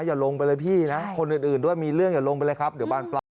อย่าลงไปเลยพี่นะคนอื่นด้วยมีเรื่องอย่าลงไปเลยครับ